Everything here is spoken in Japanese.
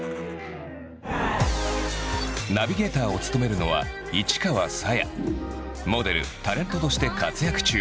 ナビゲーターを務めるのはモデルタレントとして活躍中。